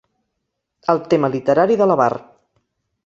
El tema literari de l'avar.